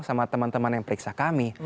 sama teman teman yang periksa kami